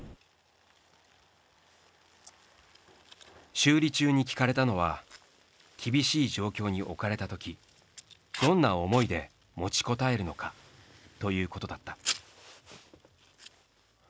修理中に聞かれたのは厳しい状況に置かれたときどんな思いで持ちこたえるのかということだった。